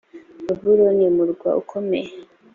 babuloni murwa ukomeye